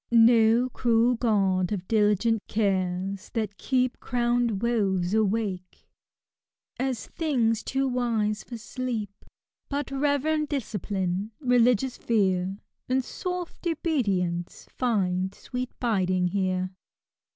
No erad guard of diligent oara, (hat keep Crowned woes awake, as things too wise for steep : But reverend discipline, religious fear, And soft obedience find sweet biding here